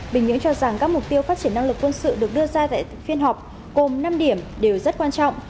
bình nhưỡng cho rằng các mục tiêu phát triển năng lực quân sự được đưa ra tại phiên họp gồm năm điểm đều rất quan trọng